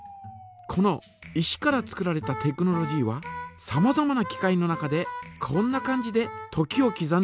この石から作られたテクノロジーはさまざまな機械の中でこんな感じで時をきざんでいます。